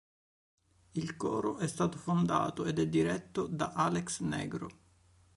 Il coro è stato fondato ed è diretto da Alex Negro.